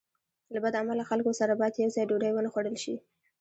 له بد عمله خلکو سره باید یوځای ډوډۍ ونه خوړل شي.